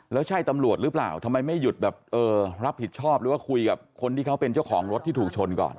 แล้วใช่ตำรวจหรือเปล่าทำไมไม่หยุดแบบเออรับผิดชอบหรือว่าคุยกับคนที่เขาเป็นเจ้าของรถที่ถูกชนก่อน